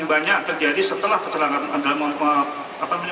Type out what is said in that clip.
yang banyak terjadi setelah kecelakaan itu